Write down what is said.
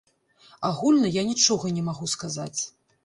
Агульна я нічога не магу сказаць.